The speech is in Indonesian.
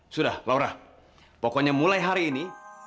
sudah laura pokoknya mulai hari ini